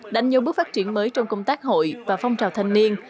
đánh nhau bước phát triển mới trong công tác hội và phong trào thanh niên